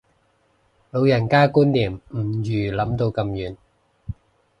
老人家觀念唔預諗到咁遠